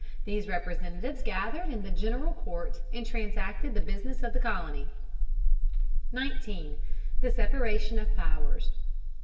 These representatives gathered in the General Court and transacted the business of the colony. 19. THE SEPARATION OF POWERS.